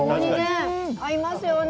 合いますよね。